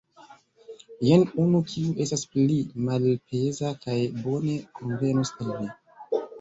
Jen unu, kiu estas pli malpeza kaj bone konvenos al vi.